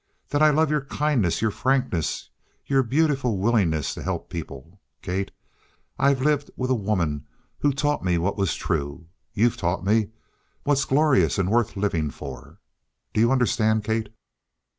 That I love your kindness, your frankness, your beautiful willingness to help people, Kate. I've lived with a woman who taught me what was true. You've taught me what's glorious and worth living for. Do you understand, Kate?"